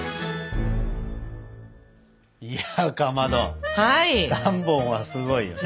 いやかまど３本はすごいよね。